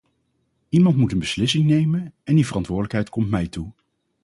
Iemand moet een beslissing nemen en die verantwoordelijkheid komt mij toe.